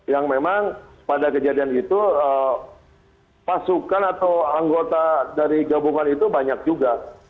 yang memang pada kejadian itu pasukan atau anggota dari gabungan itu banyak juga